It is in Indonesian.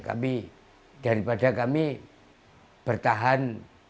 kami daripada kami bertahan